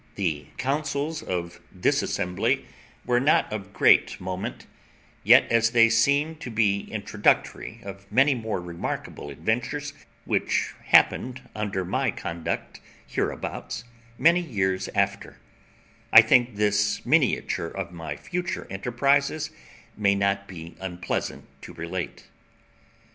The counsels of this assembly were not of great moment, yet as they seem to be introductory of many more remarkable adventures which happened under my conduct hereabouts many years after, I think this miniature of my future enterprises may not be unpleasant to relate.